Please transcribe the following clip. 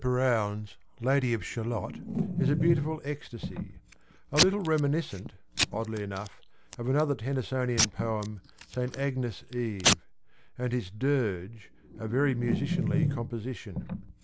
Perowne's ' Lady of Shallott ' is a beautiful ecstasy (a little reminiscent oddly enough of another Tennysonian poem, ' St. Agnes Eve,') and his ' Dirge ' a very musicianly composition.